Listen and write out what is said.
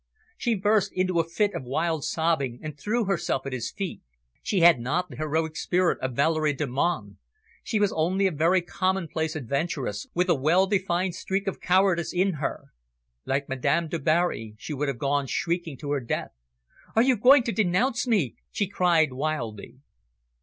She burst into a fit of wild sobbing, and threw herself at his feet. She had not the heroic spirit of Valerie Delmonte. She was only a very commonplace adventuress, with a well defined streak of cowardice in her. Like Madame Du Barri, she would have gone shrieking to her death. "Are you going to denounce me?" she cried wildly.